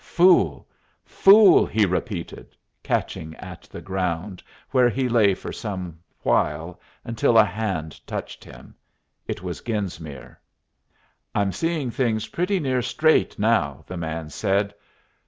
"Fool! fool!" he repeated, catching at the ground, where he lay for some while until a hand touched him. It was Genesmere. "I'm seeing things pretty near straight now," the man said.